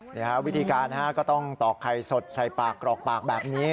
วิธีการก็ต้องตอกไข่สดใส่ปากกรอกปากแบบนี้